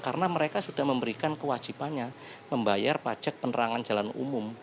karena mereka sudah memberikan kewajibannya membayar pajak penerangan jalan umum